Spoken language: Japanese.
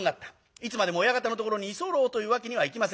いつまでも親方のところに居候というわけにはいきません。